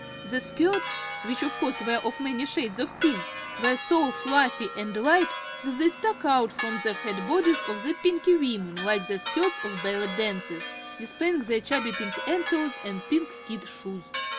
The skirts which of course were of many shades of pink were so fluffy and light that they stuck out from the fat bodies of the Pinkie women like the skirts of ballet dancers, displaying their chubby pink ankles and pink kid shoes.